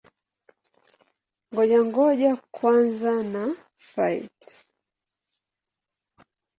Ngoja-ngoja kwanza na-fight!